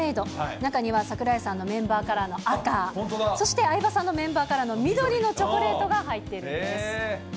中には櫻井さんのメンバーカラーの赤、そして相葉さんのメンバーカラーの緑のチョコレートが入っているんです。